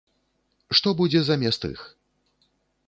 Што будзе замест іх?